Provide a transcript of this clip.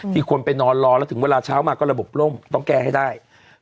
คนไปนอนรอแล้วถึงเวลาเช้ามาก็ระบบล่มต้องแก้ให้ได้